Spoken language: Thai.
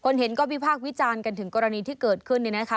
เห็นก็วิพากษ์วิจารณ์กันถึงกรณีที่เกิดขึ้นเนี่ยนะคะ